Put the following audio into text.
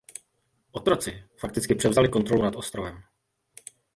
Otroci fakticky převzali kontrolu nad ostrovem.